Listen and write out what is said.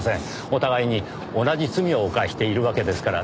お互いに同じ罪を犯しているわけですからねぇ。